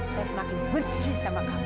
saya semakin benci sama kami